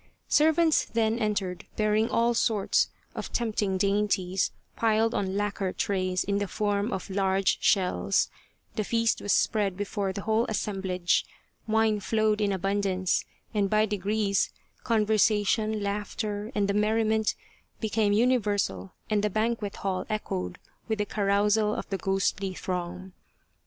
Servants then entered bearing all sorts of tempting dainties piled on lacquer trays in the form of large shells ; the feast was spread before the whole assem blage ; wine flowed in abundance, and by degrees conversation, laughter, and merriment became uni versal and the banquet hall echoed with the carousal of the ghostly throng.